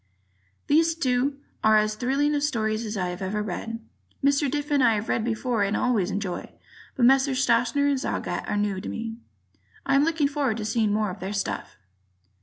These two are as thrilling stories as I have ever read. Mr. Diffin I've read before and always enjoyed; but Messrs. Schachner and Zagat are new to me. I am looking forward to seeing more of their stuff.